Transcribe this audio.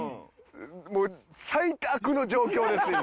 もう最悪の状況です今。